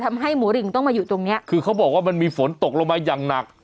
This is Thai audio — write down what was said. ทำให้หมูริงต้องมาอยู่ตรงเนี้ยคือเขาบอกว่ามันมีฝนตกลงมาอย่างหนัก